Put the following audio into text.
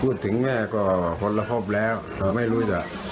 พูดถึงแม่ก็หละพบแล้วไม่รู้จัก